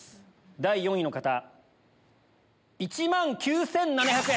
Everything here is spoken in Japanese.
第４位の方１万９７００円。